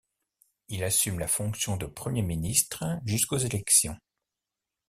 Il assume la fonction de premier ministre jusqu'aux élections.